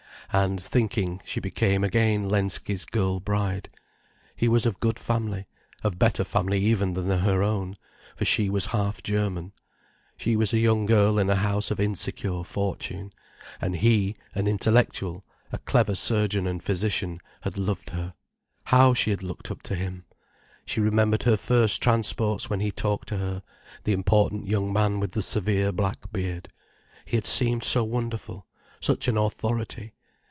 And, thinking, she became again Lensky's girl bride. He was of good family, of better family even than her own, for she was half German. She was a young girl in a house of insecure fortune. And he, an intellectual, a clever surgeon and physician, had loved her. How she had looked up to him! She remembered her first transports when he talked to her, the important young man with the severe black beard. He had seemed so wonderful, such an authority.